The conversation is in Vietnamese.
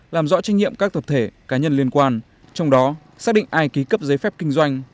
làm rõ trách nhiệm các tập thể cá nhân liên quan trong đó xác định ai ký cấp giấy phép kinh doanh